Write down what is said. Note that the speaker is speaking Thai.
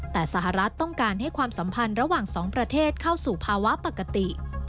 แต่สหรัฐต้องการให้ความสัมพันธ์ระหว่างสองประเทศเข้าสู่ภาวะปกติ